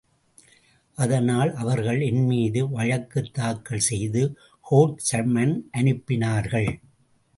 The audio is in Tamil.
அதனால் அவர்கள் என்மீது வழக்கு தாக்கல் செய்து கோர்ட் சம்மன் அனுப்பினார்கள்.